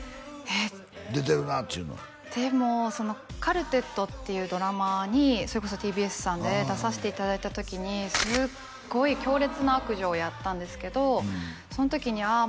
えっ出てるなっちゅうのでも「カルテット」っていうドラマにそれこそＴＢＳさんで出さしていただいた時にすっごい強烈な悪女をやったんですけどその時にああ